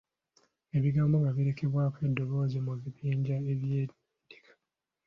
Ebigambo nga bireegebwako eddoboozi mu bibinja by’endeega.